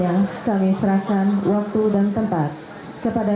baik proses pendaftaran sudah dimulai